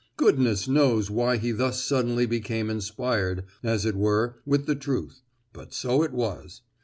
Goodness knows why he thus suddenly became inspired, as it were, with the truth; but so it was.